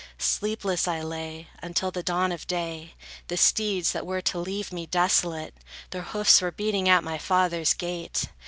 Sleepless I lay, until the dawn of day; The steeds, that were to leave me desolate, Their hoofs were beating at my father's gate.